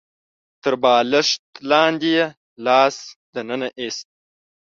تر بالښت لاندې يې لاس ننه ايست.